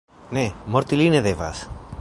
Ne, morti li ne devas!